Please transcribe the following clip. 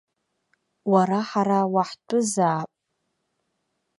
Уара ҳара уаҳтәызаап.